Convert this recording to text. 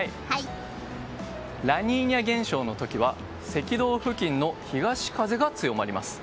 ラニーニャ現象の時は赤道付近の東風が強まります。